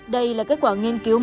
đây là kết quả nghiên cứu mới